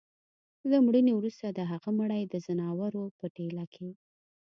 له مړيني وروسته د هغه مړى د ځناورو په ټېله کي